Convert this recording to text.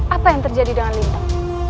apa yang terjadi dengan lintang